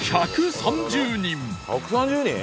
１３０人！？